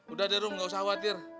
udah deh rum gak usah khawatir